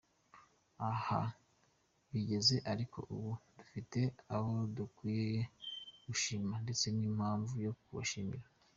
Aho bigeze ariko ubu, dufite abo dukwiye gushima ndetse n’impamvu yo kubashimira!